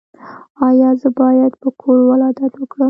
ایا زه باید په کور ولادت وکړم؟